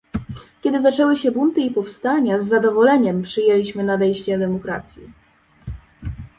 Kiedy zaczęły się bunty i powstania, z zadowoleniem przyjęliśmy nadejście demokracji